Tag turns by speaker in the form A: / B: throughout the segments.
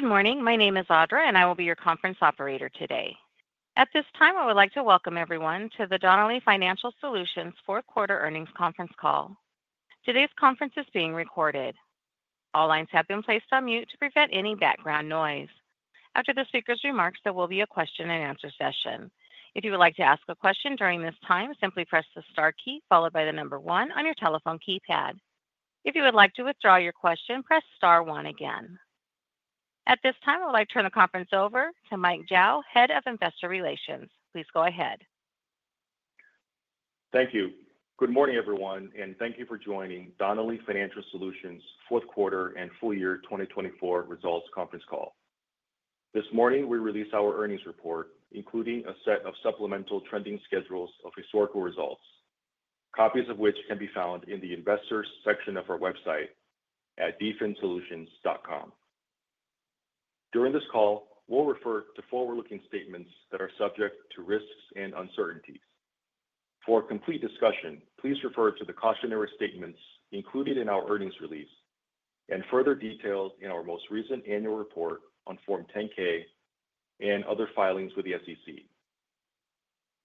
A: Good morning. My name is Audra, and I will be your conference operator today. At this time, I would like to welcome everyone to the Donnelley Financial Solutions fourth quarter earnings conference call. Today's conference is being recorded. All lines have been placed on mute to prevent any background noise. After the speaker's remarks, there will be a question-and-answer session. If you would like to ask a question during this time, simply press the star key followed by the number one on your telephone keypad. If you would like to withdraw your question, press star one again. At this time, I would like to turn the conference over to Mike Zhao, Head of Investor Relations. Please go ahead.
B: Thank you. Good morning, everyone, and thank you for joining Donnelley Financial Solutions fourth quarter and full year 2024 results conference call. This morning, we released our earnings report, including a set of supplemental trending schedules of historical results, copies of which can be found in the Investors section of our website at dfinsolutions.com. During this call, we'll refer to forward-looking statements that are subject to risks and uncertainties. For a complete discussion, please refer to the cautionary statements included in our earnings release and further details in our most recent annual report on Form 10-K and other filings with the SEC.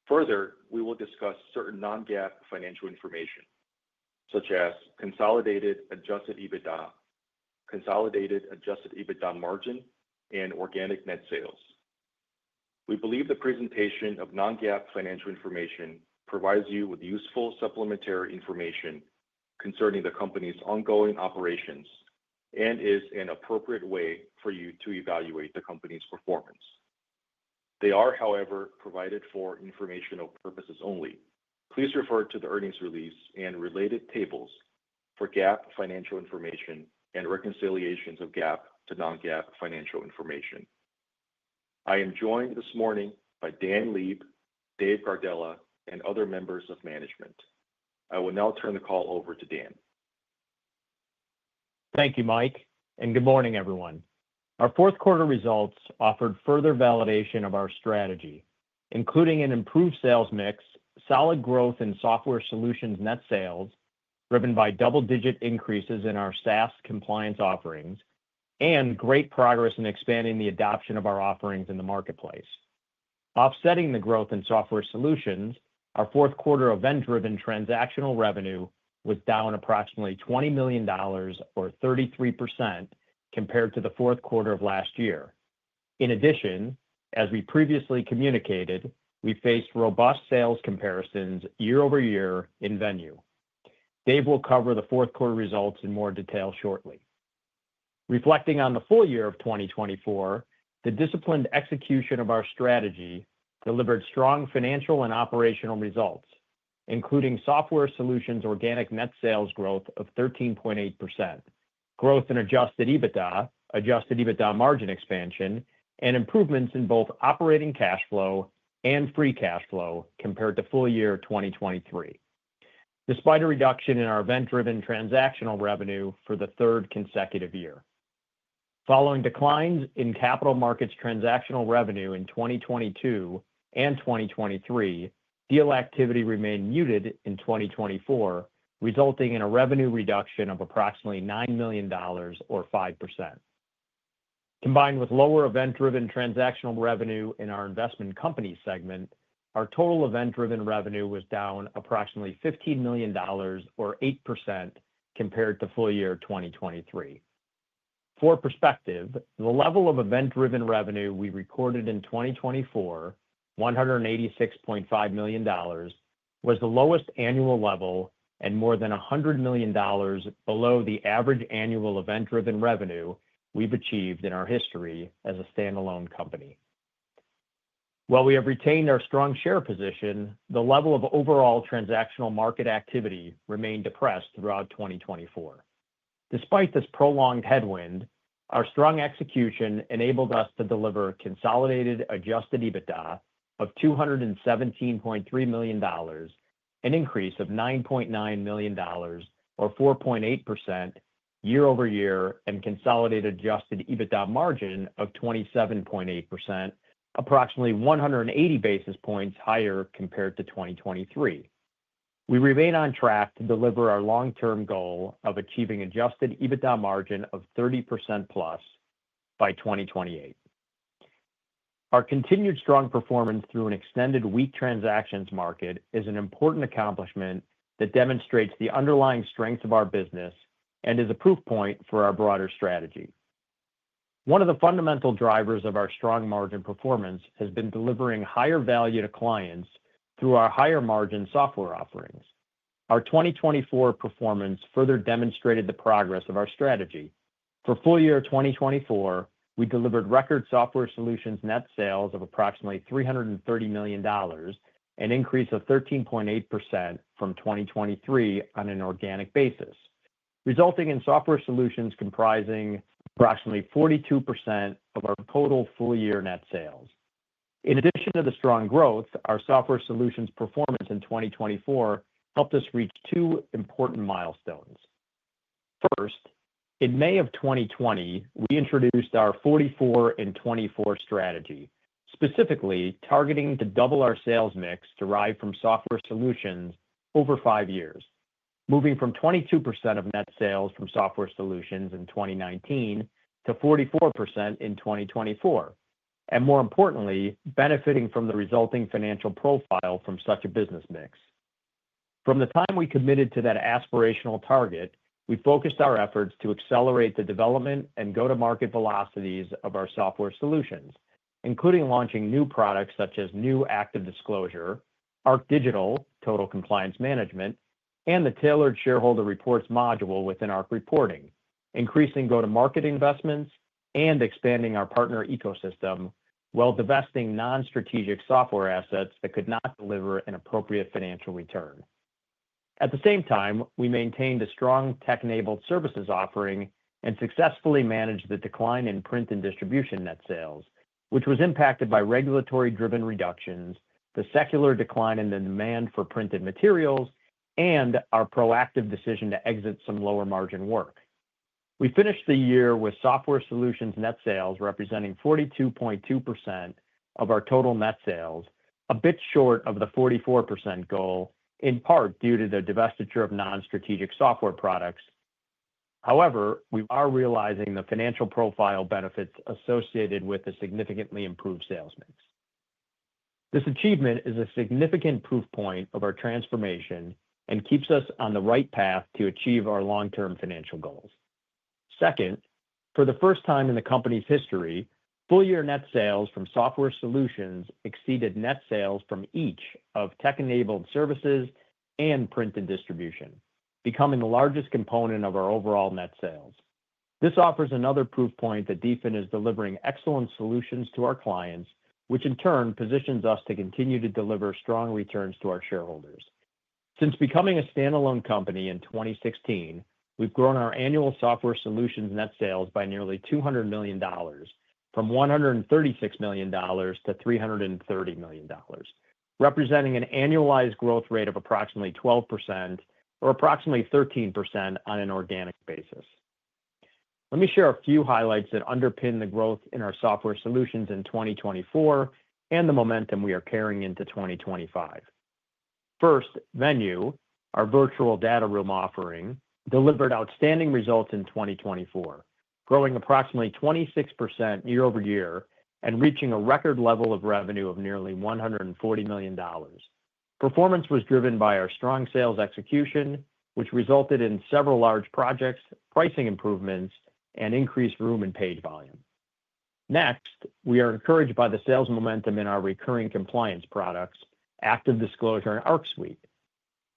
B: Further, we will discuss certain non-GAAP financial information, such as consolidated Adjusted EBITDA, consolidated Adjusted EBITDA margin, and organic net sales. We believe the presentation of non-GAAP financial information provides you with useful supplementary information concerning the company's ongoing operations and is an appropriate way for you to evaluate the company's performance. They are, however, provided for informational purposes only. Please refer to the earnings release and related tables for GAAP financial information and reconciliations of GAAP to non-GAAP financial information. I am joined this morning by Dan Leib, Dave Gardella, and other members of management. I will now turn the call over to Dan.
C: Thank you, Mike, and good morning, everyone. Our fourth quarter results offered further validation of our strategy, including an improved sales mix, solid growth in Software Solutions net sales driven by double-digit increases in our SaaS compliance offerings, and great progress in expanding the adoption of our offerings in the marketplace. Offsetting the growth in Software Solutions, our fourth quarter event-driven transactional revenue was down approximately $20 million, or 33%, compared to the fourth quarter of last year. In addition, as we previously communicated, we faced robust sales comparisons year-over-year in Venue. Dave will cover the fourth quarter results in more detail shortly. Reflecting on the full year of 2024, the disciplined execution of our strategy delivered strong financial and operational results, including Software Solutions organic net sales growth of 13.8%, growth in Adjusted EBITDA, Adjusted EBITDA margin expansion, and improvements in both operating cash flow and Free Cash Flow compared to full year 2023, despite a reduction in our event-driven transactional revenue for the third consecutive year. Following declines in capital markets transactional revenue in 2022 and 2023, deal activity remained muted in 2024, resulting in a revenue reduction of approximately $9 million, or 5%. Combined with lower event-driven transactional revenue in our investment company segment, our total event-driven revenue was down approximately $15 million, or 8%, compared to full year 2023. For perspective, the level of event-driven revenue we recorded in 2024, $186.5 million, was the lowest annual level and more than $100 million below the average annual event-driven revenue we've achieved in our history as a standalone company. While we have retained our strong share position, the level of overall transactional market activity remained depressed throughout 2024. Despite this prolonged headwind, our strong execution enabled us to deliver consolidated Adjusted EBITDA of $217.3 million, an increase of $9.9 million, or 4.8%, year-over-year, and consolidated Adjusted EBITDA margin of 27.8%, approximately 180 basis points higher compared to 2023. We remain on track to deliver our long-term goal of achieving Adjusted EBITDA margin of 30%+ by 2028. Our continued strong performance through an extended weak transactions market is an important accomplishment that demonstrates the underlying strength of our business and is a proof point for our broader strategy. One of the fundamental drivers of our strong margin performance has been delivering higher value to clients through our higher margin software offerings. Our 2024 performance further demonstrated the progress of our strategy. For full year 2024, we delivered record Software Solutions net sales of approximately $330 million, an increase of 13.8% from 2023 on an organic basis, resulting in Software Solutions comprising approximately 42% of our total full year net sales. In addition to the strong growth, our Software Solutions performance in 2024 helped us reach two important milestones. First, in May of 2020, we introduced our 44 in 24 strategy, specifically targeting to double our sales mix derived from Software Solutions over five years, moving from 22% of net sales from Software Solutions in 2019 to 44% in 2024, and more importantly, benefiting from the resulting financial profile from such a business mix. From the time we committed to that aspirational target, we focused our efforts to accelerate the development and go-to-market velocities of our Software Solutions, including launching new products such as new ActiveDisclosure, ArcDigital - Total Compliance Management, and the Tailored Shareholder Reports module within ArcReporting, increasing go-to-market investments and expanding our partner ecosystem while divesting non-strategic software assets that could not deliver an appropriate financial return. At the same time, we maintained a strong tech-enabled services offering and successfully managed the decline in print and distribution net sales, which was impacted by regulatory-driven reductions, the secular decline in the demand for printed materials, and our proactive decision to exit some lower margin work. We finished the year with Software Solutions net sales representing 42.2% of our total net sales, a bit short of the 44% goal, in part due to the divestiture of non-strategic software products. However, we are realizing the financial profile benefits associated with the significantly improved sales mix. This achievement is a significant proof point of our transformation and keeps us on the right path to achieve our long-term financial goals. Second, for the first time in the company's history, full year net sales from Software Solutions exceeded net sales from each of tech-enabled services and print and distribution, becoming the largest component of our overall net sales. This offers another proof point that DFIN is delivering excellent solutions to our clients, which in turn positions us to continue to deliver strong returns to our shareholders. Since becoming a standalone company in 2016, we've grown our annual Software Solutions net sales by nearly $200 million, from $136 million to $330 million, representing an annualized growth rate of approximately 12%, or approximately 13% on an organic basis. Let me share a few highlights that underpin the growth in our Software Solutions in 2024 and the momentum we are carrying into 2025. First, Venue, our virtual data room offering, delivered outstanding results in 2024, growing approximately 26% year-over-year and reaching a record level of revenue of nearly $140 million. Performance was driven by our strong sales execution, which resulted in several large projects, pricing improvements, and increased room and page volume. Next, we are encouraged by the sales momentum in our recurring compliance products, ActiveDisclosure and Arc Suite.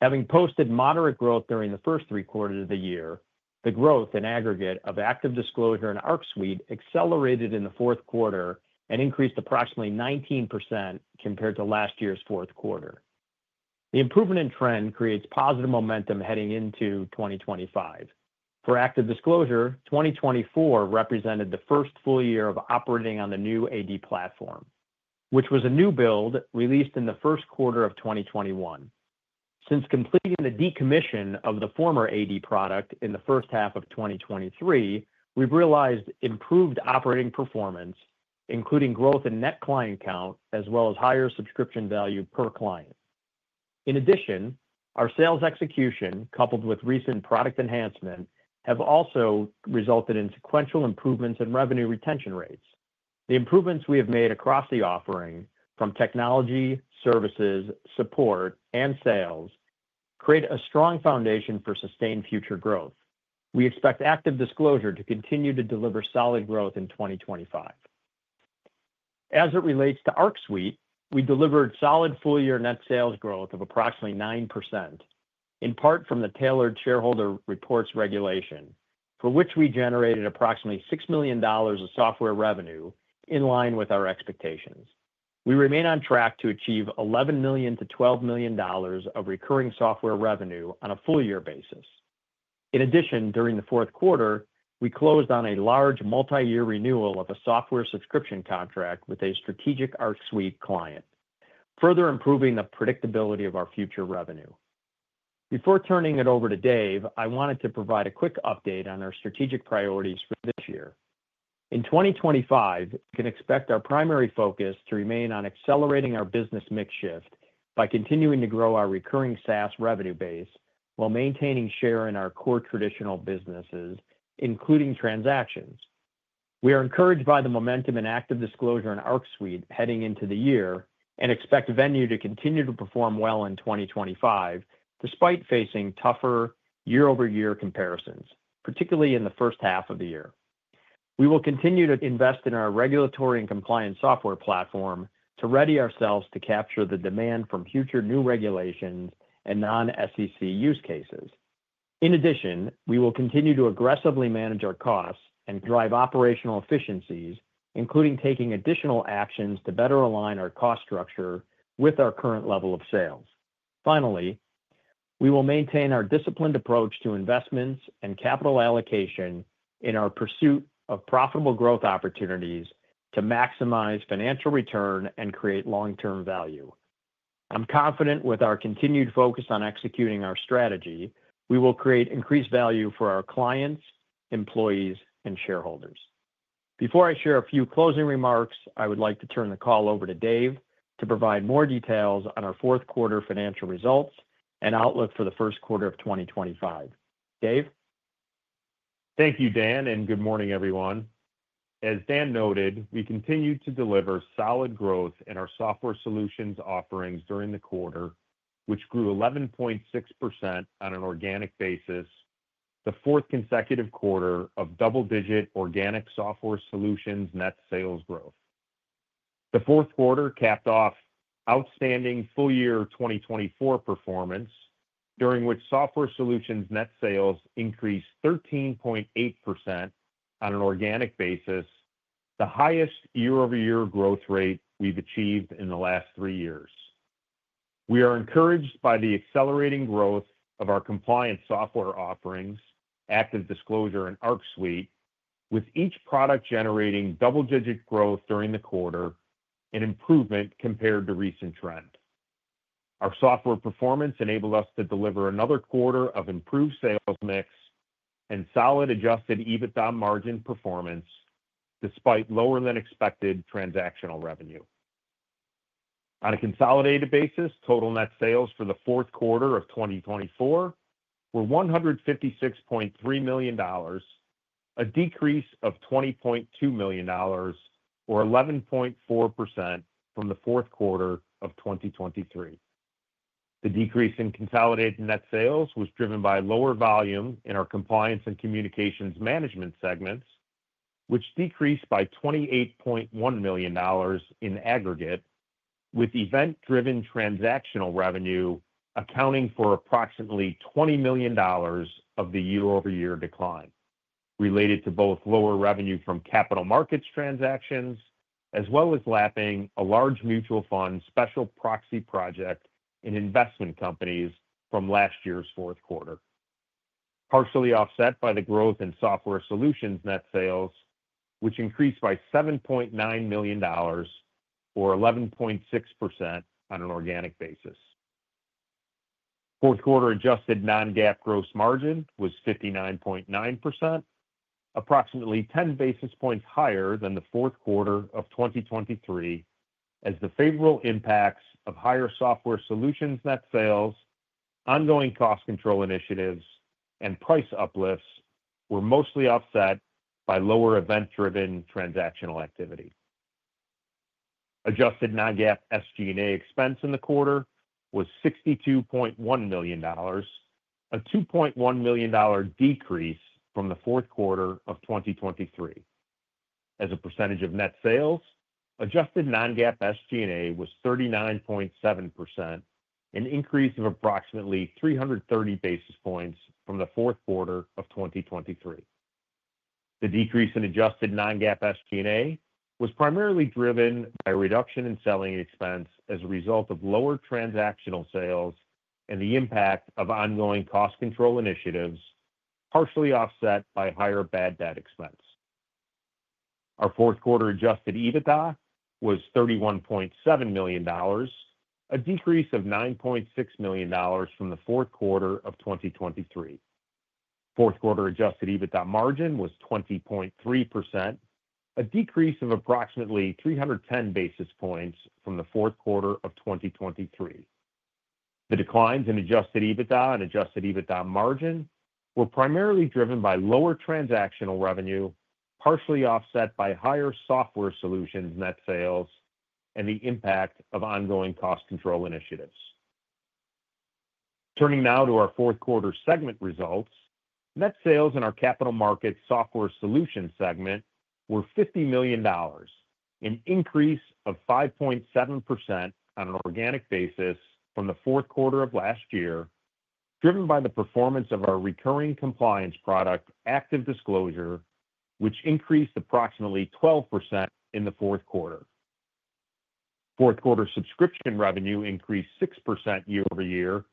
C: Having posted moderate growth during the first three quarters of the year, the growth in aggregate of ActiveDisclosure and Arc Suite accelerated in the fourth quarter and increased approximately 19% compared to last year's fourth quarter. The improvement in trend creates positive momentum heading into 2025. For ActiveDisclosure, 2024 represented the first full year of operating on the new AD platform, which was a new build released in the first quarter of 2021. Since completing the decommission of the former AD product in the first half of 2023, we've realized improved operating performance, including growth in net client count as well as higher subscription value per client. In addition, our sales execution, coupled with recent product enhancement, have also resulted in sequential improvements in revenue retention rates. The improvements we have made across the offering, from technology, services, support, and sales, create a strong foundation for sustained future growth. We expect ActiveDisclosure to continue to deliver solid growth in 2025. As it relates to Arc Suite, we delivered solid full year net sales growth of approximately 9%, in part from the tailored shareholder reports regulation, for which we generated approximately $6 million of software revenue in line with our expectations. We remain on track to achieve $11 million-$12 million of recurring software revenue on a full year basis. In addition, during the fourth quarter, we closed on a large multi-year renewal of a software subscription contract with a strategic Arc Suite client, further improving the predictability of our future revenue. Before turning it over to Dave, I wanted to provide a quick update on our strategic priorities for this year. In 2025, you can expect our primary focus to remain on accelerating our business mix shift by continuing to grow our recurring SaaS revenue base while maintaining share in our core traditional businesses, including transactions. We are encouraged by the momentum in ActiveDisclosure and Arc Suite heading into the year and expect Venue to continue to perform well in 2025, despite facing tougher year-over-year comparisons, particularly in the first half of the year. We will continue to invest in our regulatory and compliance software platform to ready ourselves to capture the demand from future new regulations and non-SEC use cases. In addition, we will continue to aggressively manage our costs and drive operational efficiencies, including taking additional actions to better align our cost structure with our current level of sales. Finally, we will maintain our disciplined approach to investments and capital allocation in our pursuit of profitable growth opportunities to maximize financial return and create long-term value. I'm confident with our continued focus on executing our strategy. We will create increased value for our clients, employees, and shareholders. Before I share a few closing remarks, I would like to turn the call over to Dave to provide more details on our fourth quarter financial results and outlook for the first quarter of 2025. Dave?
D: Thank you, Dan, and good morning, everyone. As Dan noted, we continued to deliver solid growth in our Software Solutions offerings during the quarter, which grew 11.6% on an organic basis, the fourth consecutive quarter of double-digit organic Software Solutions net sales growth. The fourth quarter capped off outstanding full year 2024 performance, during which Software Solutions net sales increased 13.8% on an organic basis, the highest year-over-year growth rate we've achieved in the last three years. We are encouraged by the accelerating growth of our compliance software offerings, ActiveDisclosure and Arc Suite, with each product generating double-digit growth during the quarter and improvement compared to recent trend. Our software performance enabled us to deliver another quarter of improved sales mix and solid Adjusted EBITDA margin performance, despite lower than expected transactional revenue. On a consolidated basis, total net sales for the fourth quarter of 2024 were $156.3 million, a decrease of $20.2 million, or 11.4% from the fourth quarter of 2023. The decrease in consolidated net sales was driven by lower volume in our compliance and communications management segments, which decreased by $28.1 million in aggregate, with event-driven transactional revenue accounting for approximately $20 million of the year-over-year decline related to both lower revenue from capital markets transactions as well as lapping a large mutual fund special proxy project in investment companies from last year's fourth quarter, partially offset by the growth in Software Solutions net sales, which increased by $7.9 million, or 11.6% on an organic basis. Fourth quarter adjusted non-GAAP gross margin was 59.9%, approximately 10 basis points higher than the fourth quarter of 2023, as the favorable impacts of higher Software Solutions net sales, ongoing cost control initiatives, and price uplifts were mostly offset by lower event-driven transactional activity. Adjusted non-GAAP SG&A expense in the quarter was $62.1 million, a $2.1 million decrease from the fourth quarter of 2023. As a percentage of net sales, adjusted non-GAAP SG&A was 39.7%, an increase of approximately 330 basis points from the fourth quarter of 2023. The decrease in adjusted non-GAAP SG&A was primarily driven by a reduction in selling expense as a result of lower transactional sales and the impact of ongoing cost control initiatives, partially offset by higher bad debt expense. Our fourth quarter Adjusted EBITDA was $31.7 million, a decrease of $9.6 million from the fourth quarter of 2023. Fourth quarter Adjusted EBITDA margin was 20.3%, a decrease of approximately 310 basis points from the fourth quarter of 2023. The declines in Adjusted EBITDA and Adjusted EBITDA margin were primarily driven by lower transactional revenue, partially offset by higher Software Solutions net sales, and the impact of ongoing cost control initiatives. Turning now to our fourth quarter segment results, net sales in our Capital Markets Software Solutions segment were $50 million, an increase of 5.7% on an organic basis from the fourth quarter of last year, driven by the performance of our recurring compliance product, ActiveDisclosure, which increased approximately 12% in the fourth quarter. Fourth quarter subscription revenue increased 6% year-over-year,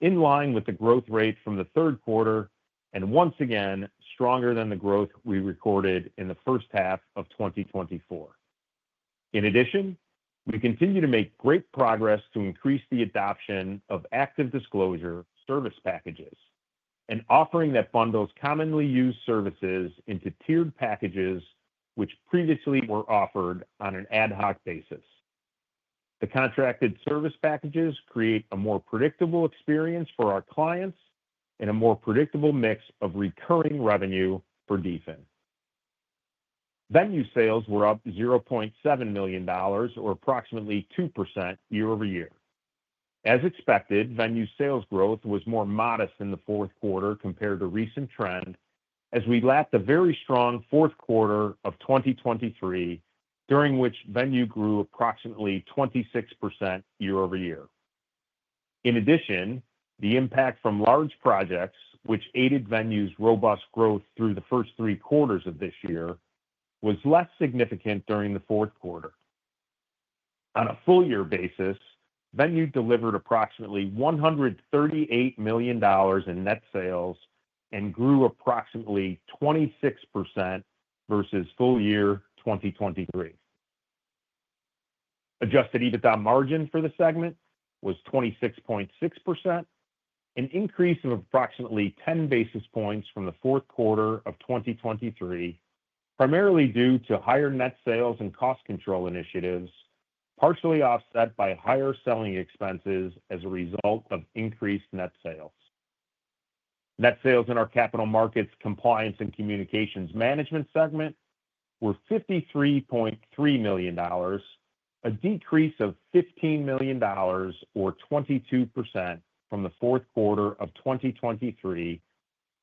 D: in line with the growth rate from the third quarter, and once again, stronger than the growth we recorded in the first half of 2024. In addition, we continue to make great progress to increase the adoption of ActiveDisclosure service packages, an offering that bundles commonly used services into tiered packages, which previously were offered on an ad hoc basis. The contracted service packages create a more predictable experience for our clients and a more predictable mix of recurring revenue for DFIN. Venue sales were up $0.7 million, or approximately 2% year-over-year. As expected, Venue sales growth was more modest in the fourth quarter compared to recent trend, as we lapped a very strong fourth quarter of 2023, during which Venue grew approximately 26% year-over-year. In addition, the impact from large projects, which aided Venue's robust growth through the first three quarters of this year, was less significant during the fourth quarter. On a full year basis, Venue delivered approximately $138 million in net sales and grew approximately 26% versus full year 2023. Adjusted EBITDA margin for the segment was 26.6%, an increase of approximately 10 basis points from the fourth quarter of 2023, primarily due to higher net sales and cost control initiatives, partially offset by higher selling expenses as a result of increased net sales. Net sales in our Capital Markets Compliance and Communications Management segment were $53.3 million, a decrease of $15 million, or 22% from the fourth quarter of 2023,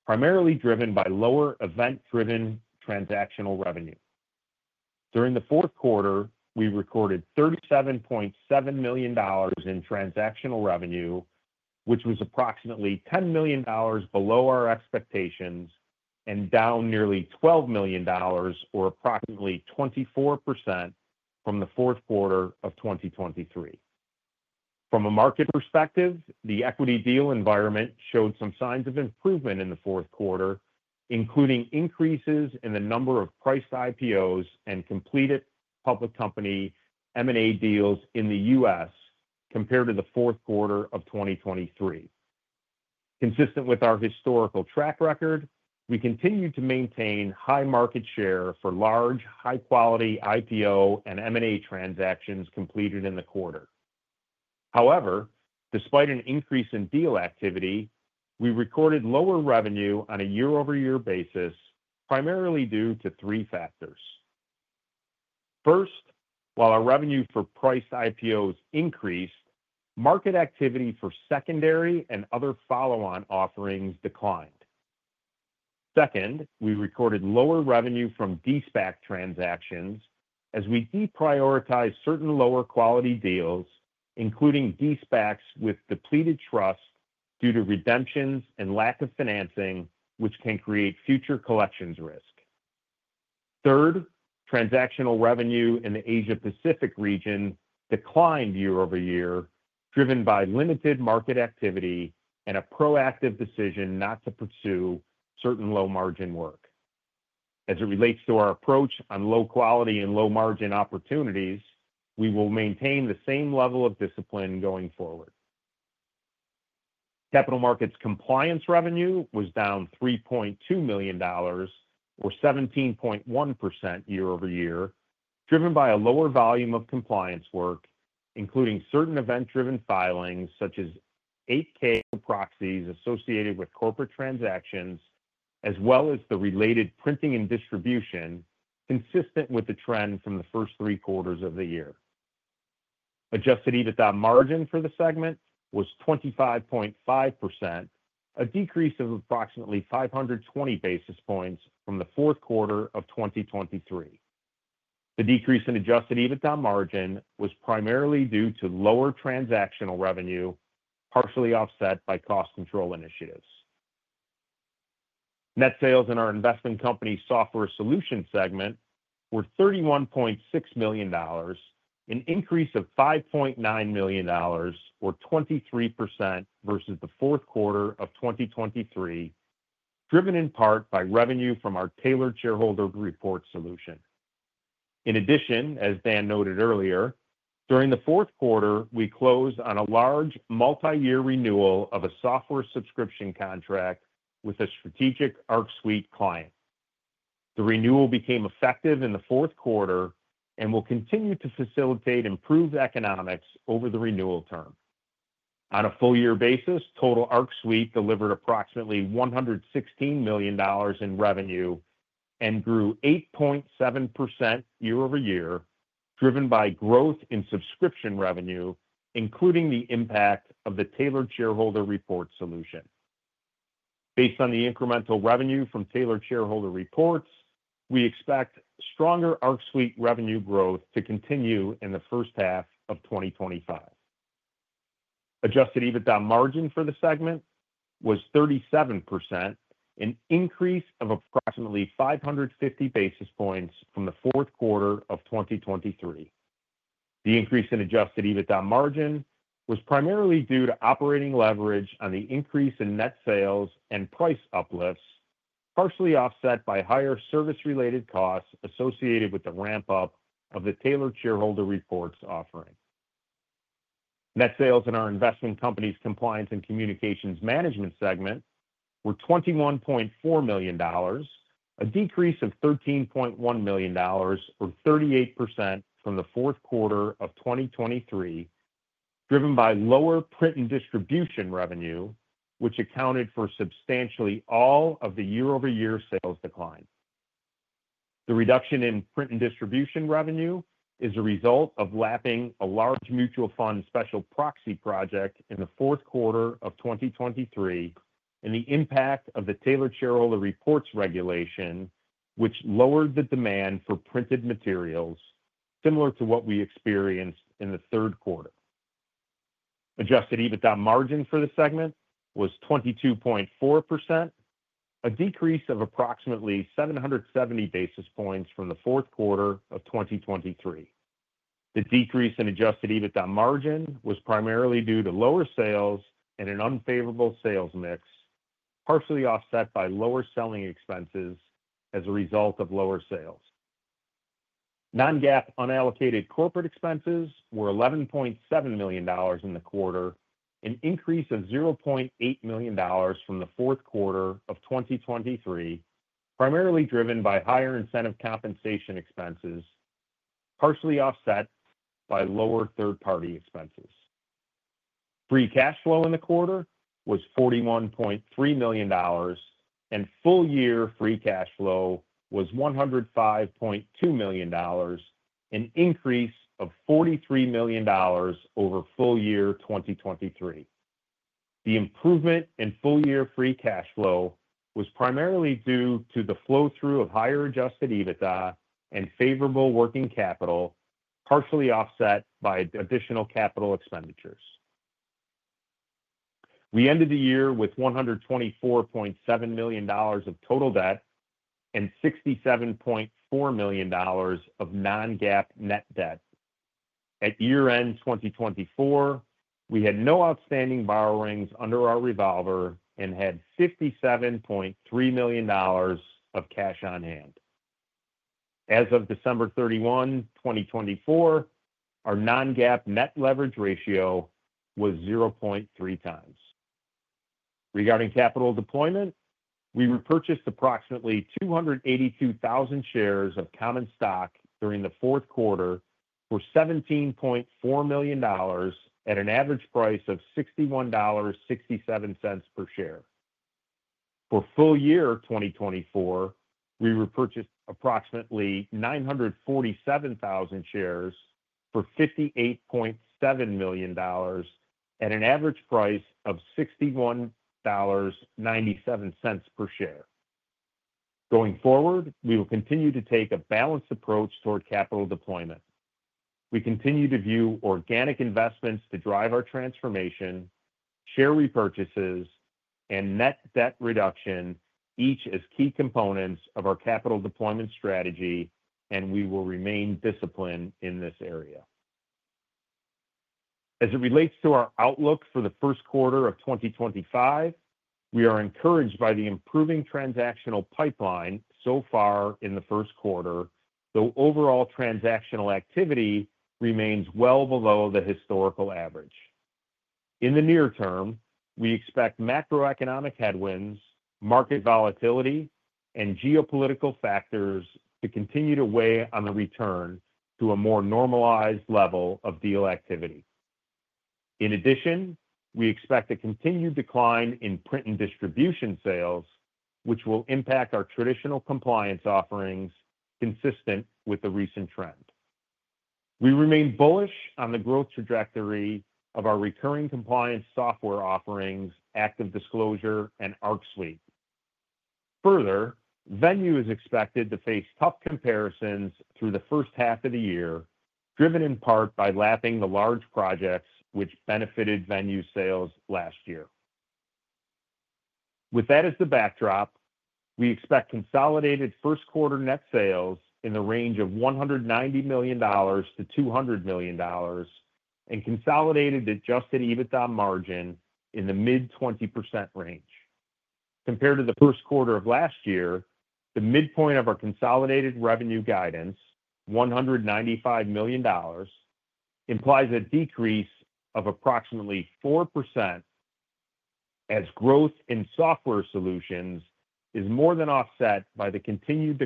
D: primarily driven by lower event-driven transactional revenue. During the fourth quarter, we recorded $37.7 million in transactional revenue, which was approximately $10 million below our expectations and down nearly $12 million, or approximately 24% from the fourth quarter of 2023. From a market perspective, the equity deal environment showed some signs of improvement in the fourth quarter, including increases in the number of priced IPOs and completed public company M&A deals in the U.S. Compared to the fourth quarter of 2023. Consistent with our historical track record, we continued to maintain high market share for large, high-quality IPO and M&A transactions completed in the quarter. However, despite an increase in deal activity, we recorded lower revenue on a year-over-year basis, primarily due to three factors. First, while our revenue for priced IPOs increased, market activity for secondary and other follow-on offerings declined. Second, we recorded lower revenue from de-SPAC transactions as we deprioritized certain lower quality deals, including de-SPACs with depleted trust due to redemptions and lack of financing, which can create future collections risk. Third, transactional revenue in the Asia-Pacific region declined year-over-year, driven by limited market activity and a proactive decision not to pursue certain low-margin work. As it relates to our approach on low quality and low margin opportunities, we will maintain the same level of discipline going forward. Capital markets compliance revenue was down $3.2 million, or 17.1% year-over-year, driven by a lower volume of compliance work, including certain event-driven filings such as 8-K proxies associated with corporate transactions, as well as the related printing and distribution, consistent with the trend from the first three quarters of the year. Adjusted EBITDA margin for the segment was 25.5%, a decrease of approximately 520 basis points from the fourth quarter of 2023. The decrease in Adjusted EBITDA margin was primarily due to lower transactional revenue, partially offset by cost control initiatives. Net sales in our Investment Companies Software Solutions segment were $31.6 million, an increase of $5.9 million, or 23% versus the fourth quarter of 2023, driven in part by revenue from our Tailored Shareholder Report solution. In addition, as Dan noted earlier, during the fourth quarter, we closed on a large multi-year renewal of a software subscription contract with a strategic Arc Suite client. The renewal became effective in the fourth quarter and will continue to facilitate improved economics over the renewal term. On a full year basis, total Arc Suite delivered approximately $116 million in revenue and grew 8.7% year-over-year, driven by growth in subscription revenue, including the impact of the Tailored Shareholder Reports solution. Based on the incremental revenue from Tailored Shareholder Reports, we expect stronger Arc Suite revenue growth to continue in the first half of 2025. Adjusted EBITDA margin for the segment was 37%, an increase of approximately 550 basis points from the fourth quarter of 2023. The increase in Adjusted EBITDA margin was primarily due to operating leverage on the increase in net sales and price uplifts, partially offset by higher service-related costs associated with the ramp-up of the Tailored Shareholder Reports offering. Net sales in our Investment Companies Compliance and Communications Management segment were $21.4 million, a decrease of $13.1 million, or 38% from the fourth quarter of 2023, driven by lower print and distribution revenue, which accounted for substantially all of the year-over-year sales decline. The reduction in print and distribution revenue is a result of lapping a large mutual fund special proxy project in the fourth quarter of 2023 and the impact of the Tailored Shareholder Reports regulation, which lowered the demand for printed materials, similar to what we experienced in the third quarter. Adjusted EBITDA margin for the segment was 22.4%, a decrease of approximately 770 basis points from the fourth quarter of 2023. The decrease in Adjusted EBITDA margin was primarily due to lower sales and an unfavorable sales mix, partially offset by lower selling expenses as a result of lower sales. Non-GAAP unallocated corporate expenses were $11.7 million in the quarter, an increase of $0.8 million from the fourth quarter of 2023, primarily driven by higher incentive compensation expenses, partially offset by lower third-party expenses. Free cash flow in the quarter was $41.3 million, and full year free cash flow was $105.2 million, an increase of $43 million over full year 2023. The improvement in full year free cash flow was primarily due to the flow-through of higher Adjusted EBITDA and favorable working capital, partially offset by additional capital expenditures. We ended the year with $124.7 million of total debt and $67.4 million of non-GAAP net debt. At year-end 2024, we had no outstanding borrowings under our revolver and had $57.3 million of cash on hand. As of December 31, 2024, our non-GAAP net leverage ratio was 0.3x. Regarding capital deployment, we repurchased approximately 282,000 shares of common stock during the fourth quarter for $17.4 million at an average price of $61.67 per share. For full year 2024, we repurchased approximately 947,000 shares for $58.7 million at an average price of $61.97 per share. Going forward, we will continue to take a balanced approach toward capital deployment. We continue to view organic investments to drive our transformation, share repurchases, and net debt reduction, each as key components of our capital deployment strategy, and we will remain disciplined in this area. As it relates to our outlook for the first quarter of 2025, we are encouraged by the improving transactional pipeline so far in the first quarter, though overall transactional activity remains well below the historical average. In the near term, we expect macroeconomic headwinds, market volatility, and geopolitical factors to continue to weigh on the return to a more normalized level of deal activity. In addition, we expect a continued decline in print and distribution sales, which will impact our traditional compliance offerings consistent with the recent trend. We remain bullish on the growth trajectory of our recurring compliance software offerings, ActiveDisclosure, and Arc Suite. Further, Venue is expected to face tough comparisons through the first half of the year, driven in part by lapping the large projects which benefited Venue sales last year. With that as the backdrop, we expect consolidated first quarter net sales in the range of $190-$200 million and consolidated Adjusted EBITDA margin in the mid-20% range. Compared to the first quarter of last year, the midpoint of our consolidated revenue guidance, $195 million, implies a decrease of approximately 4% as growth in Software Solutions is more than offset by the continued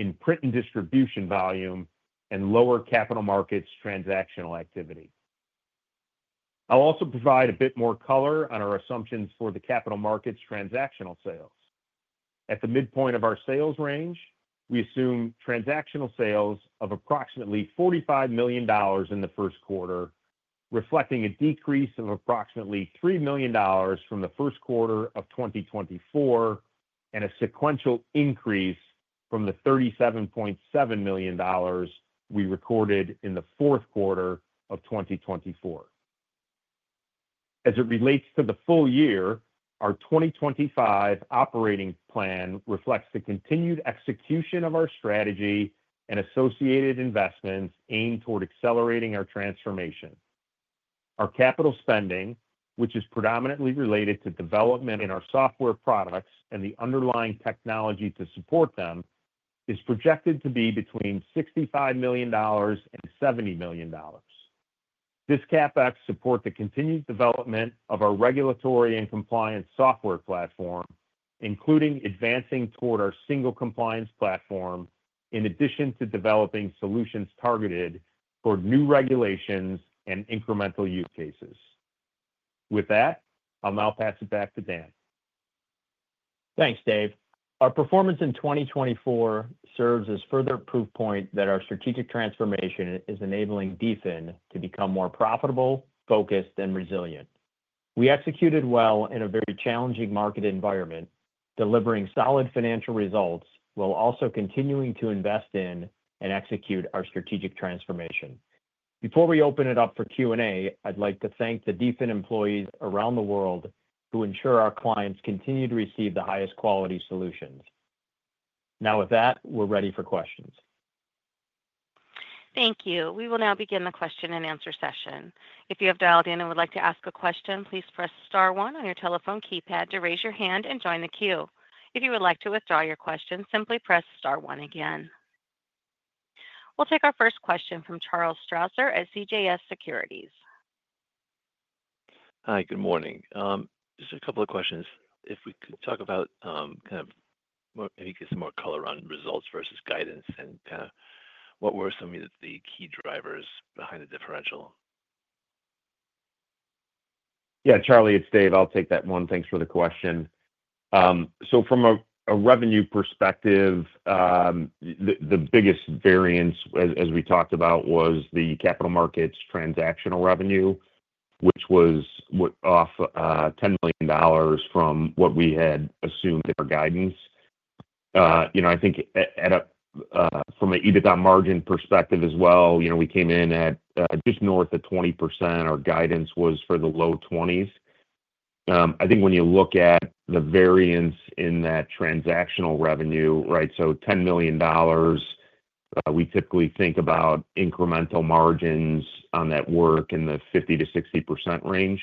D: decline in print and distribution volume and lower capital markets transactional activity. I'll also provide a bit more color on our assumptions for the capital markets transactional sales. At the midpoint of our sales range, we assume transactional sales of approximately $45 million in the first quarter, reflecting a decrease of approximately $3 million from the first quarter of 2024 and a sequential increase from the $37.7 million we recorded in the fourth quarter of 2024. As it relates to the full year, our 2025 operating plan reflects the continued execution of our strategy and associated investments aimed toward accelerating our transformation. Our capital spending, which is predominantly related to development in our software products and the underlying technology to support them, is projected to be between $65 million and $70 million. This CapEx supports the continued development of our regulatory and compliance software platform, including advancing toward our single compliance platform in addition to developing solutions targeted for new regulations and incremental use cases. With that, I'll now pass it back to Dan.
C: Thanks, Dave. Our performance in 2024 serves as further proof point that our strategic transformation is enabling DFIN to become more profitable, focused, and resilient. We executed well in a very challenging market environment, delivering solid financial results while also continuing to invest in and execute our strategic transformation. Before we open it up for Q&A, I'd like to thank the DFIN employees around the world who ensure our clients continue to receive the highest quality solutions. Now with that, we're ready for questions.
A: Thank you. We will now begin the question and answer session. If you have dialed in and would like to ask a question, please press star one on your telephone keypad to raise your hand and join the queue. If you would like to withdraw your question, simply press star one again. We'll take our first question from Charles Strauzer at CJS Securities.
E: Hi, good morning. Just a couple of questions. If we could talk about kind of maybe get some more color on results versus guidance and kind of what were some of the key drivers behind the differential.
D: Yeah, Charlie, it's Dave. I'll take that one. Thanks for the question. So from a revenue perspective, the biggest variance, as we talked about, was the capital markets transactional revenue, which was off $10 million from what we had assumed in our guidance. I think from an EBITDA margin perspective as well, we came in at just north of 20%. Our guidance was for the low 20s. I think when you look at the variance in that transactional revenue, right, so $10 million, we typically think about incremental margins on that work in the 50%-60% range.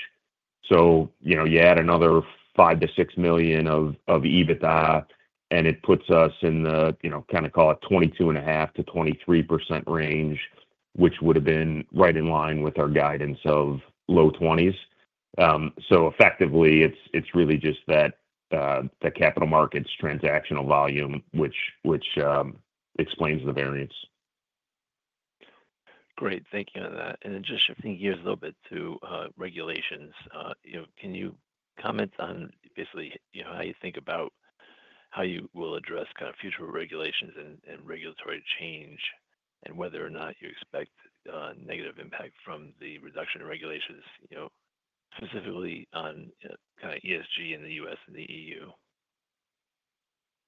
D: So you add another five to six million of EBITDA, and it puts us in the, kind of call it, 22.5%-23% range, which would have been right in line with our guidance of low 20s. So effectively, it's really just that capital markets transactional volume, which explains the variance.
E: Great. Thank you on that. And then just shifting gears a little bit to regulations. Can you comment on basically how you think about how you will address kind of future regulations and regulatory change and whether or not you expect negative impact from the reduction in regulations, specifically on kind of ESG in the U.S. and the E.U.?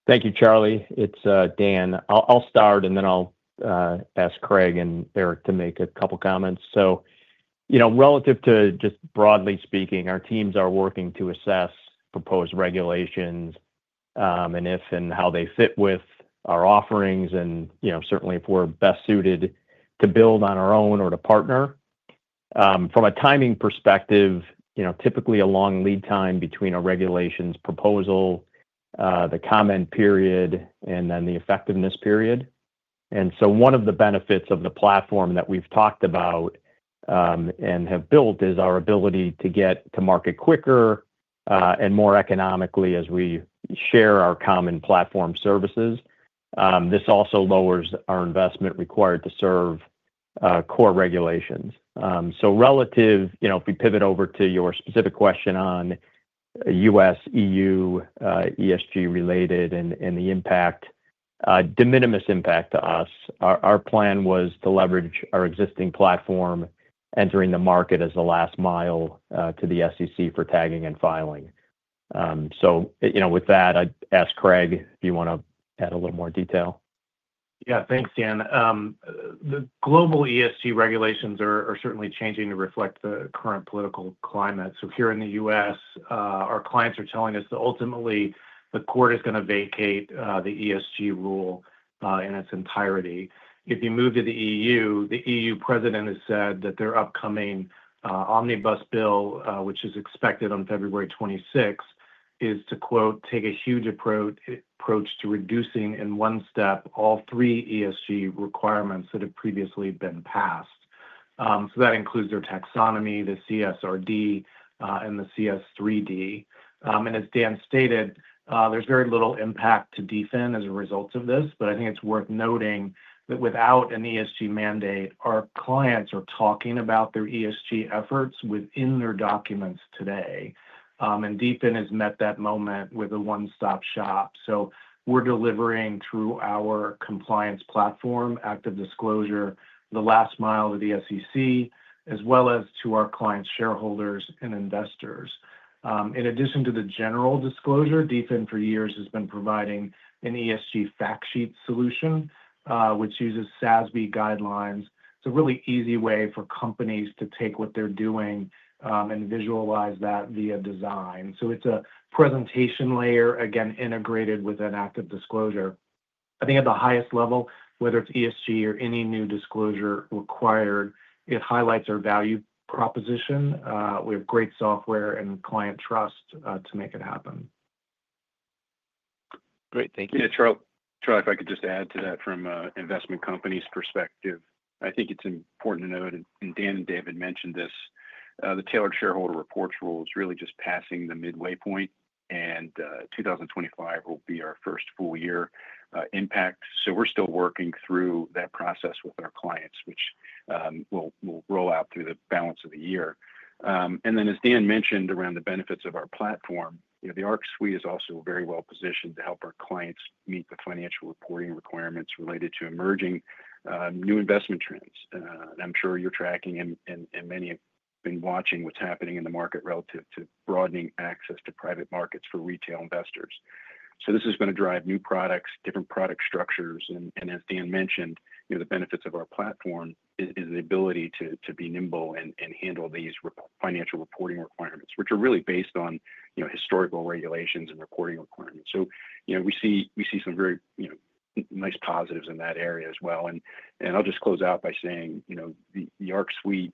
C: Thank you, Charlie. It's Dan. I'll start, and then I'll ask Craig and Eric to make a couple of comments. So relative to just broadly speaking, our teams are working to assess proposed regulations and if and how they fit with our offerings and certainly if we're best suited to build on our own or to partner. From a timing perspective, typically a long lead time between a regulations proposal, the comment period, and then the effectiveness period. And so one of the benefits of the platform that we've talked about and have built is our ability to get to market quicker and more economically as we share our common platform services. This also lowers our investment required to serve core regulations. So relative, if we pivot over to your specific question on U.S., E.U., ESG-related and the impact, de minimis impact to us, our plan was to leverage our existing platform entering the market as the last mile to the SEC for tagging and filing. So with that, I'd ask Craig if you want to add a little more detail.
F: Yeah, thanks, Dan. The global ESG regulations are certainly changing to reflect the current political climate. So here in the U.S., our clients are telling us that ultimately the court is going to vacate the ESG rule in its entirety. If you move to the E.U., the E.U. president has said that their upcoming omnibus bill, which is expected on February 26, is to, quote, "take a huge approach to reducing in one step all three ESG requirements that have previously been passed." So that includes their taxonomy, the CSRD, and the CS3D. And as Dan stated, there's very little impact to DFIN as a result of this, but I think it's worth noting that without an ESG mandate, our clients are talking about their ESG efforts within their documents today. And DFIN has met that moment with a one-stop shop. So we're delivering through our compliance platform, ActiveDisclosure, the last mile to the SEC, as well as to our clients, shareholders, and investors. In addition to the general disclosure, DFIN for years has been providing an ESG fact sheet solution, which uses SASB guidelines. It's a really easy way for companies to take what they're doing and visualize that via design. So it's a presentation layer, again, integrated with an ActiveDisclosure. I think at the highest level, whether it's ESG or any new disclosure required, it highlights our value proposition. We have great software and client trust to make it happen.
E: Great. Thank you.
G: Yeah, Charlie, if I could just add to that from an investment company's perspective. I think it's important to note, and Dan and David mentioned this, the Tailored Shareholder Reports rule is really just passing the midway point, and 2025 will be our first full year impact. So we're still working through that process with our clients, which we'll roll out through the balance of the year. And then, as Dan mentioned around the benefits of our platform, the Arc Suite is also very well positioned to help our clients meet the financial reporting requirements related to emerging new investment trends. And I'm sure you're tracking and many have been watching what's happening in the market relative to broadening access to private markets for retail investors. So this is going to drive new products, different product structures. And as Dan mentioned, the benefits of our platform is the ability to be nimble and handle these financial reporting requirements, which are really based on historical regulations and reporting requirements. So we see some very nice positives in that area as well. And I'll just close out by saying the Arc Suite,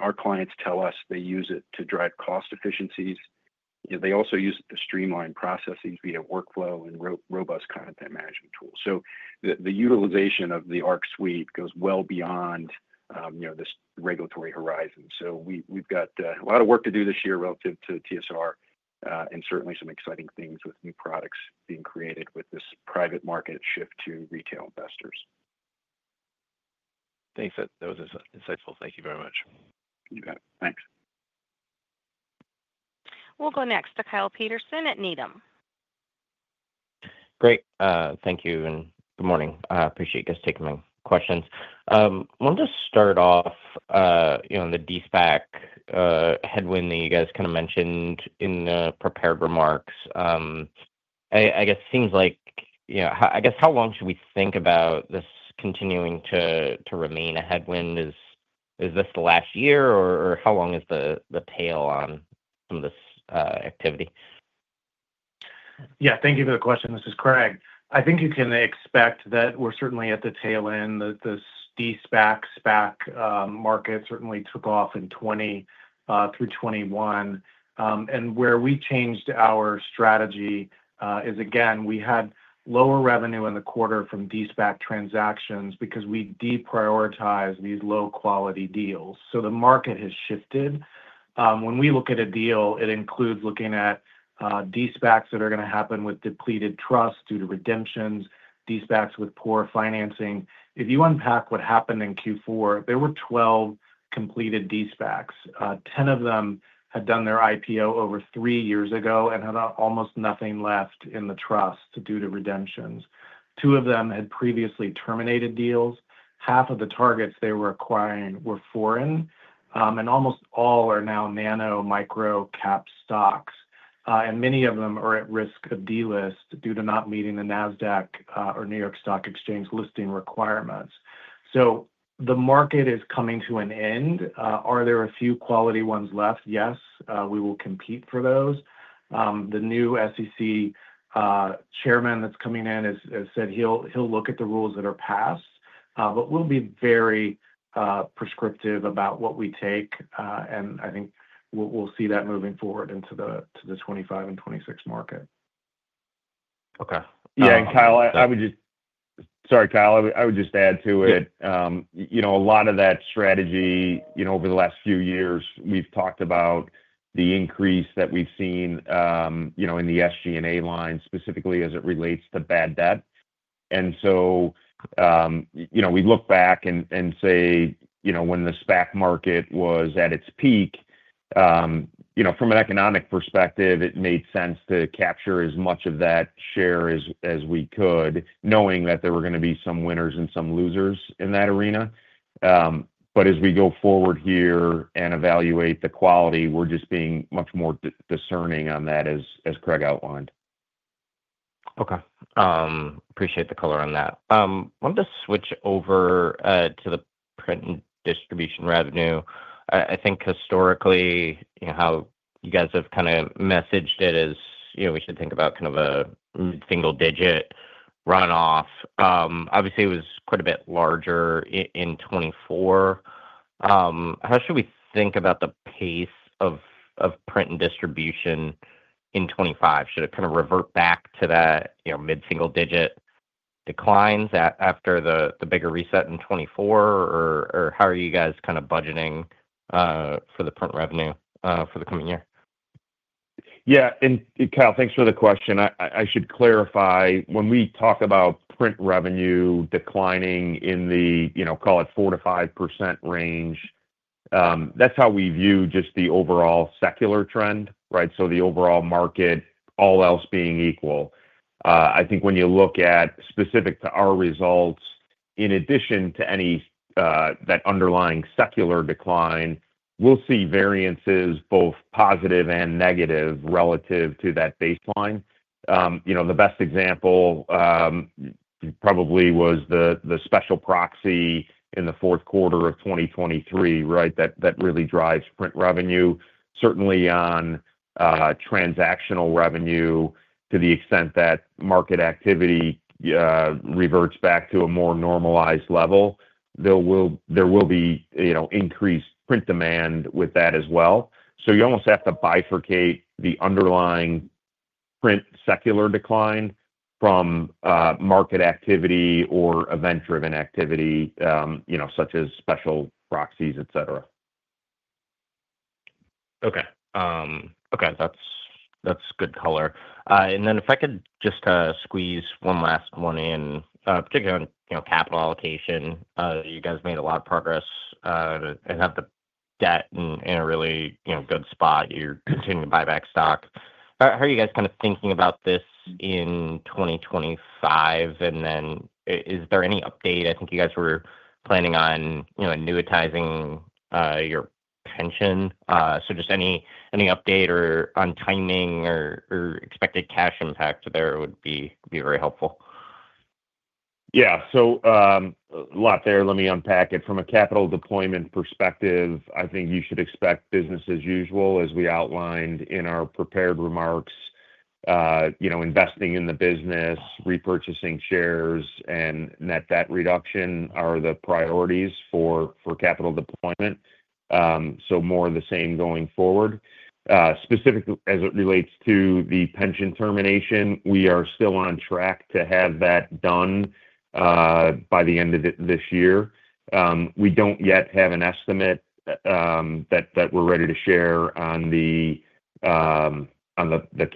G: our clients tell us they use it to drive cost efficiencies. They also use it to streamline processes via workflow and robust content management tools. So the utilization of the Arc Suite goes well beyond this regulatory horizon. So we've got a lot of work to do this year relative to TSR and certainly some exciting things with new products being created with this private market shift to retail investors.
E: Thanks. That was insightful. Thank you very much.
G: You bet. Thanks.
A: We'll go next to Kyle Peterson at Needham.
H: Great. Thank you. And good morning. I appreciate you guys taking my questions. I want to start off on the de-SPAC headwind that you guys kind of mentioned in the prepared remarks. I guess it seems like I guess how long should we think about this continuing to remain a headwind? Is this the last year, or how long is the tail on some of this activity?
F: Yeah, thank you for the question. This is Craig. I think you can expect that we're certainly at the tail end. The de-SPAC/SPAC market certainly took off in 2020 through 2021. And where we changed our strategy is, again, we had lower revenue in the quarter from de-SPAC transactions because we deprioritized these low-quality deals. So the market has shifted. When we look at a deal, it includes looking at de-SPACs that are going to happen with depleted trust due to redemptions, de-SPACs with poor financing. If you unpack what happened in Q4, there were 12 completed de-SPACs. 10 of them had done their IPO over three years ago and had almost nothing left in the trust due to redemptions. Two of them had previously terminated deals. Half of the targets they were acquiring were foreign, and almost all are now nano micro cap stocks. And many of them are at risk of delisting due to not meeting the Nasdaq or New York Stock Exchange listing requirements. So the market is coming to an end. Are there a few quality ones left? Yes, we will compete for those. The new SEC chairman that's coming in has said he'll look at the rules that are passed, but we'll be very prescriptive about what we take. And I think we'll see that moving forward into the 2025 and 2026 market.
H: Okay.
D: Yeah. And Kyle, I would just, sorry, Kyle, I would just add to it. A lot of that strategy over the last few years, we've talked about the increase that we've seen in the SG&A line, specifically as it relates to bad debt. And so we look back and say when the SPAC market was at its peak, from an economic perspective, it made sense to capture as much of that share as we could, knowing that there were going to be some winners and some losers in that arena. But as we go forward here and evaluate the quality, we're just being much more discerning on that, as Craig outlined.
H: Okay. Appreciate the color on that. I'll just switch over to the print and distribution revenue. I think historically, how you guys have kind of messaged it is we should think about kind of a single-digit runoff. Obviously, it was quite a bit larger in 2024. How should we think about the pace of print and distribution in 2025? Should it kind of revert back to that mid-single-digit declines after the bigger reset in 2024? Or how are you guys kind of budgeting for the print revenue for the coming year?
D: Yeah. And Kyle, thanks for the question. I should clarify. When we talk about print revenue declining in the, call it, 4%-5% range, that's how we view just the overall secular trend, right? So the overall market, all else being equal. I think when you look at specific to our results, in addition to that underlying secular decline, we'll see variances both positive and negative relative to that baseline. The best example probably was the special proxy in the fourth quarter of 2023, right? That really drives print revenue. Certainly on transactional revenue, to the extent that market activity reverts back to a more normalized level, there will be increased print demand with that as well. So you almost have to bifurcate the underlying print secular decline from market activity or event-driven activity, such as special proxies, etc.
H: Okay. Okay. That's good color, and then if I could just squeeze one last one in, particularly on capital allocation, you guys made a lot of progress and have the debt in a really good spot. You're continuing to buy back stock. How are you guys kind of thinking about this in 2025? And then is there any update? I think you guys were planning on annuitizing your pension, so just any update on timing or expected cash impact there would be very helpful.
D: Yeah, so a lot there. Let me unpack it. From a capital deployment perspective, I think you should expect business as usual, as we outlined in our prepared remarks. Investing in the business, repurchasing shares, and net debt reduction are the priorities for capital deployment. So more of the same going forward. Specifically, as it relates to the pension termination, we are still on track to have that done by the end of this year. We don't yet have an estimate that we're ready to share on the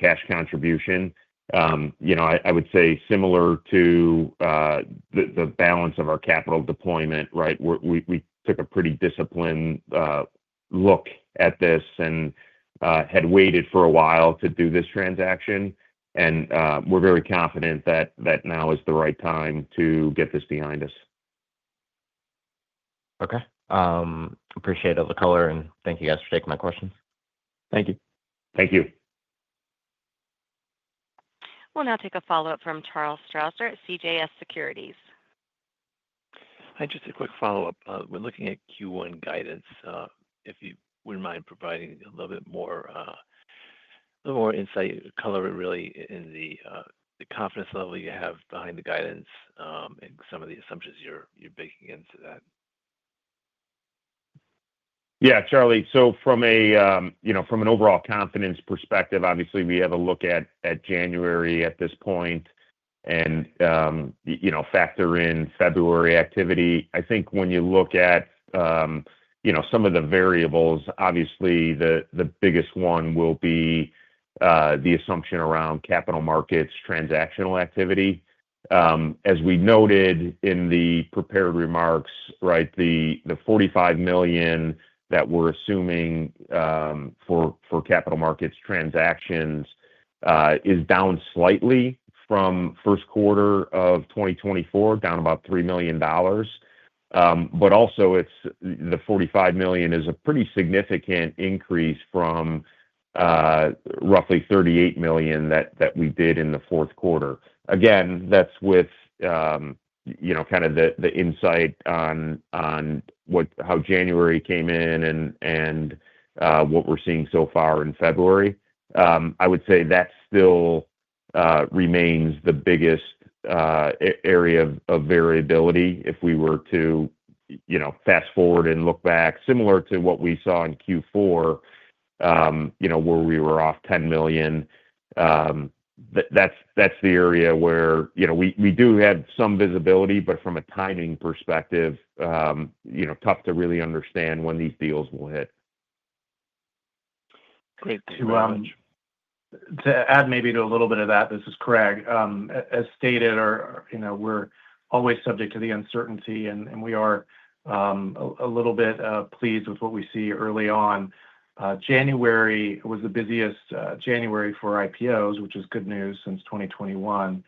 D: cash contribution. I would say similar to the balance of our capital deployment, right? We took a pretty disciplined look at this and had waited for a while to do this transaction. And we're very confident that now is the right time to get this behind us.
H: Okay. Appreciate all the color. And thank you guys for taking my questions. Thank you.
D: Thank you.
A: We'll now take a follow-up from Charles Strauzer at CJS Securities.
E: Hi. Just a quick follow-up. We're looking at Q1 guidance. If you wouldn't mind providing a little bit more insight, color, really, in the confidence level you have behind the guidance and some of the assumptions you're making into that.
D: Yeah, Charles. So from an overall confidence perspective, obviously, we have a look at January at this point and factor in February activity. I think when you look at some of the variables, obviously, the biggest one will be the assumption around capital markets transactional activity. As we noted in the prepared remarks, right, the $45 million that we're assuming for capital markets transactions is down slightly from first quarter of 2024, down about $3 million. But also, the $45 million is a pretty significant increase from roughly $38 million that we did in the fourth quarter. Again, that's with kind of the insight on how January came in and what we're seeing so far in February. I would say that still remains the biggest area of variability if we were to fast forward and look back, similar to what we saw in Q4, where we were off $10 million. That's the area where we do have some visibility, but from a timing perspective, tough to really understand when these deals will hit.
E: Great.
F: To add maybe to a little bit of that, this is Craig. As stated, we're always subject to the uncertainty, and we are a little bit pleased with what we see early on. January was the busiest January for IPOs, which is good news since 2021.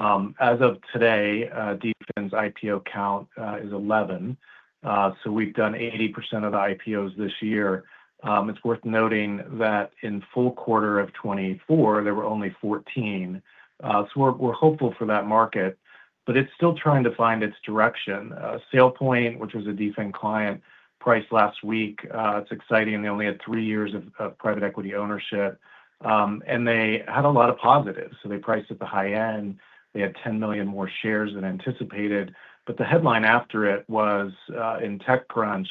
F: As of today, DFIN's IPO count is 11. So we've done 80% of the IPOs this year. It's worth noting that in full quarter of 2024, there were only 14. So we're hopeful for that market, but it's still trying to find its direction. SailPoint, which was a DFIN client, priced last week. It's exciting. They only had three years of private equity ownership. And they had a lot of positives. So they priced at the high end. They had 10 million more shares than anticipated. But the headline after it was, in TechCrunch,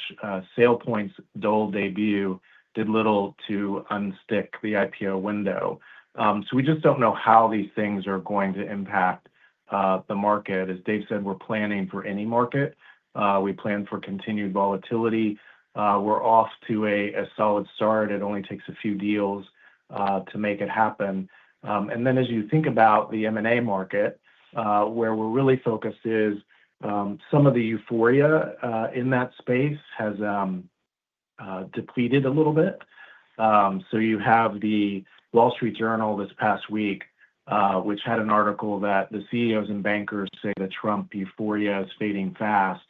F: SailPoint's dull debut did little to unstick the IPO window. So we just don't know how these things are going to impact the market. As Dave said, we're planning for any market. We plan for continued volatility. We're off to a solid start. It only takes a few deals to make it happen. And then as you think about the M&A market, where we're really focused is some of the euphoria in that space has depleted a little bit. So you have The Wall Street Journal this past week, which had an article that the CEOs and bankers say that Trump euphoria is fading fast.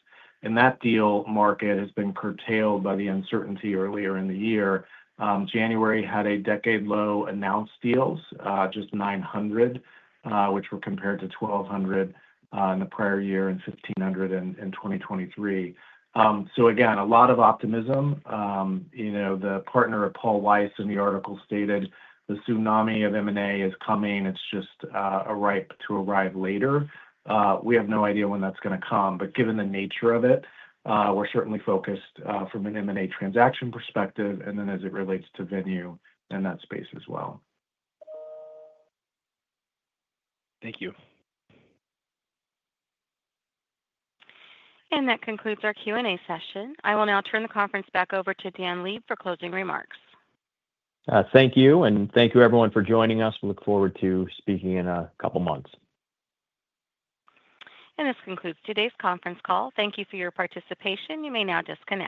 F: And that deal market has been curtailed by the uncertainty earlier in the year. January had a decade-low announced deals, just 900, which were compared to 1,200 in the prior year and 1,500 in 2023. So again, a lot of optimism. The partner of Paul, Weiss in the article stated, "The tsunami of M&A is coming. It's just a ripe to arrive later." We have no idea when that's going to come. But given the nature of it, we're certainly focused from an M&A transaction perspective, and then as it relates to Venue in that space as well.
E: Thank you.
A: And that concludes our Q&A session. I will now turn the conference back over to Dan Leib for closing remarks.
C: Thank you. And thank you, everyone, for joining us. We look forward to speaking in a couple of months.
A: And this concludes today's conference call. Thank you for your participation. You may now disconnect.